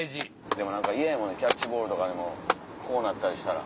でも嫌やもんなキャッチボールとかでもこうなったりしたら。